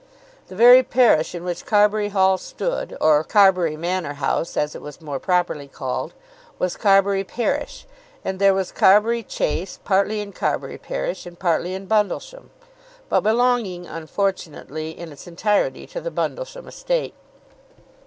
The very parish in which Carbury Hall stood, or Carbury Manor House, as it was more properly called, was Carbury parish. And there was Carbury Chase, partly in Carbury parish and partly in Bundlesham, but belonging, unfortunately, in its entirety to the Bundlesham estate.